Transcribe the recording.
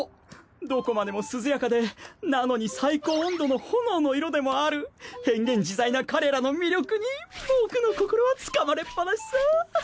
どこまでも涼やかでなのに最高温度の炎の色でもある変幻自在な彼らの魅力に僕の心はつかまれっぱなしさ。